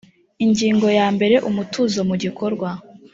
ingingo ya mbere umutuzo mu gikorwa